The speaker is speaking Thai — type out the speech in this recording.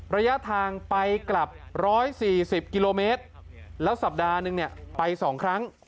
ระยะทางไปกลับร้อยสี่สิบกิโลเมตรแล้วสัปดาห์หนึ่งเนี้ยไปสองครั้ง